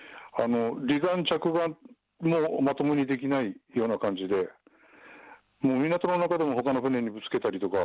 離岸着岸もまともにできないような感じで、もう港の中でもほかの船にぶつけたりとか。